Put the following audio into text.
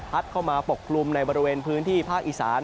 เข้ามาปกคลุมในบริเวณพื้นที่ภาคอีสาน